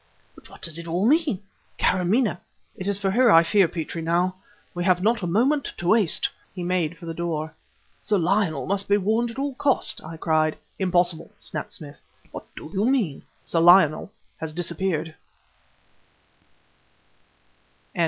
But what does it all mean? Kâramaneh " "It is for her I fear, Petrie, now. We have not a moment to waste!" He made for the door. "Sir Lionel must be warned at all cost!" I cried. "Impossible!" snapped Smith. "What do you mean?" "Sir Lionel has disappeared!"